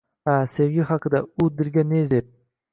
Ha, sevgi haqida. U dilga ne zeb